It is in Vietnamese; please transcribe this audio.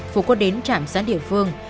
phú quân đến trạm xã địa phương